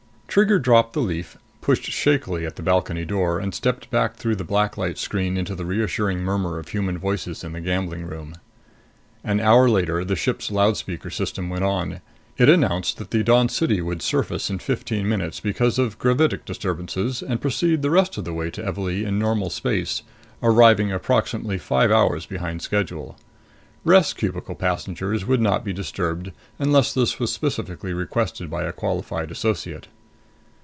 Trigger dropped the leaf, pushed shakily at the balcony door, and stepped back through the black light screen into the reassuring murmur of human voices in the gambling room. An hour later, the ship's loudspeaker system went on. It announced that the Dawn City would surface in fifteen minutes because of gravitic disturbances, and proceed the rest of the way to Evalee in normal space, arriving approximately five hours behind schedule. Rest cubicle passengers would not be disturbed, unless this was specifically requested by a qualified associate.